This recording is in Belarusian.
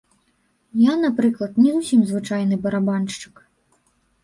Я, напрыклад, не зусім звычайны барабаншчык.